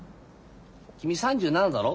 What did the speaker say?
君３７だろ？